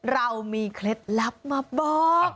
เรามีเคล็ดลับมาบอก